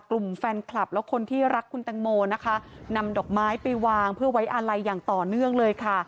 กลุ่มแฟนคลับและคนที่รักคุณแตงโมนะคะนำดอกไม้ไปวางเพื่อไว้อาลัยอย่างต่อเนื่องเลยค่ะ